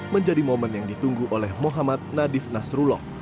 menjadi momen yang ditunggu oleh muhammad nadif nasrullah